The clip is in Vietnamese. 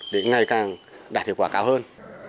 để ngày càng đạt hiệu quả cao hơn